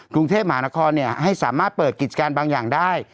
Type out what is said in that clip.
กรุงเทพมหานครให้สามารถเปิดกิจการบางอย่างได้